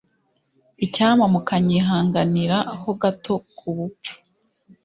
icyampa mukanyihanganira ho hato ku bupfu